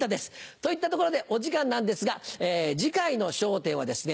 といったところでお時間なんですが次回の『笑点』はですね